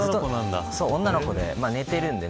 女の子で、寝ているんで